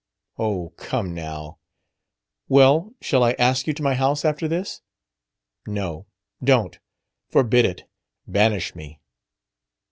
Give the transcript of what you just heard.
"Oh, come now, " "Well, shall I ask you to my house, after this?" "No. Don't. Forbid it. Banish me."